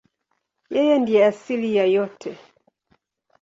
Yeye ndiye asili ya yote.